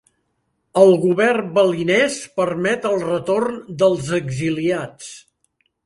El govern balinès permet el retorn dels exiliats.